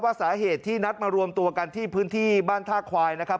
สาเหตุที่นัดมารวมตัวกันที่พื้นที่บ้านท่าควายนะครับ